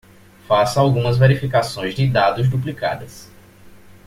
Faça algumas verificações de dados duplicadas